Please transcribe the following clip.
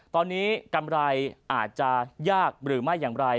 ตอนนี้กำไรอาจจะยากหรือไม่อย่างไร